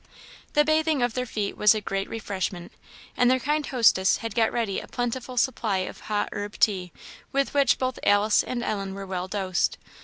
The bathing of their feet was a great refreshment, and their kind hostess had got ready a plentiful supply of hot herb tea, with which both Alice and Ellen were well dosed.